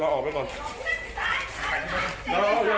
เราอย่าเข้ามา